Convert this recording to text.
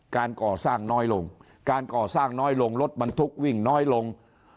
การก่อสร้างน้อยลงการก่อสร้างน้อยลงรถบรรทุกวิ่งน้อยลง